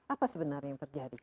apa sebenarnya yang terjadi